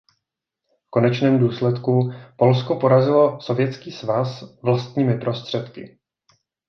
V konečném důsledku Polsko porazilo Sovětský svaz vlastními prostředky.